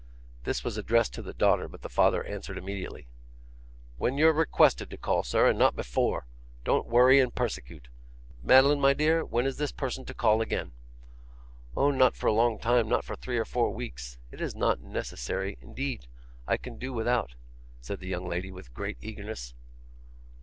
This was addressed to the daughter, but the father answered immediately. 'When you're requested to call, sir, and not before. Don't worry and persecute. Madeline, my dear, when is this person to call again?' 'Oh, not for a long time, not for three or four weeks; it is not necessary, indeed; I can do without,' said the young lady, with great eagerness.